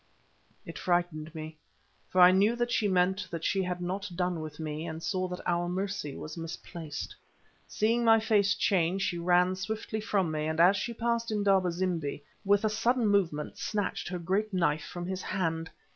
It frightened me, for I knew she meant that she had not done with me, and saw that our mercy was misplaced. Seeing my face change she ran swiftly from me, and as she passed Indaba zimbi, with a sudden movement snatched her great knife from his hand.